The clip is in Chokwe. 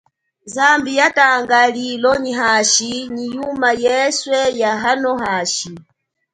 Zambi ya tanga lilo nyi hashi nyi yuma yeswe ya hano hashi.